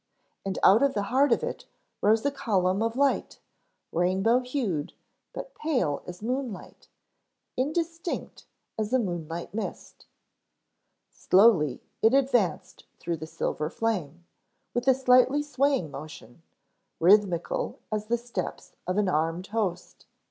And out of the heart of it rose a column of light, rainbow hued but pale as moonlight, indistinct as a moonlight mist. Slowly it advanced through the silver flame, with a slightly swaying motion, rhythmical as the steps of an armed host.